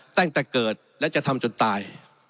ตั้งแต่เกิดและจะทำจนตาย